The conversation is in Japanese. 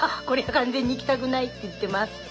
これ完全に「行きたくない」って言ってます。